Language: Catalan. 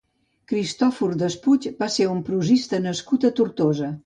Cristòfor Despuig va ser un prosista nascut a Tortosa.